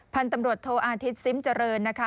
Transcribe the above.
ท่านตำรวจโทรอาทิตย์ซิ้มเจริญนะคะ